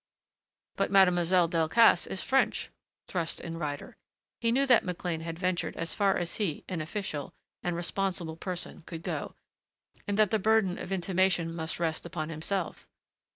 "But Mademoiselle Delcassé is French," thrust in Ryder. He knew that McLean had ventured as far as he, an official and responsible person, could go, and that the burden of intimation must rest upon himself.